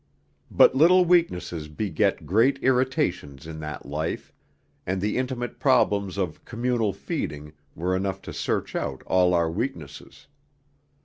But little weaknesses beget great irritations in that life, and the intimate problems of communal feeding were enough to search out all our weaknesses.